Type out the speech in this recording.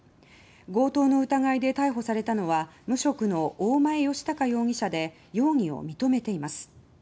強盗の疑いで逮捕されたのは無職の大前芳孝容疑者で容疑を認めています。